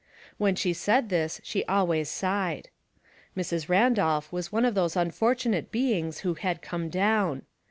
When she said this she always sighed. Mrs. Randolph was one of those unfor tunate beings who had come down.